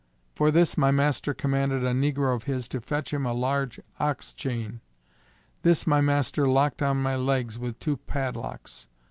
For this my master commanded a negro of his to fetch him a large ox chain. This my master locked on my legs with two padlocks.